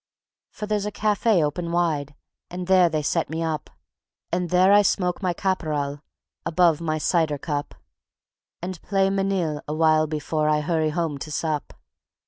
For there's the cafe open wide, And there they set me up; And there I smoke my caporal Above my cider cup; And play manille a while before I hurry home to sup.